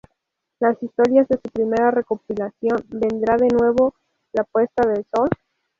Las historias de su primera recopilación "¿Vendrá de nuevo la puesta de sol?